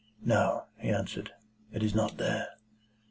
"No," he answered. "It is not there."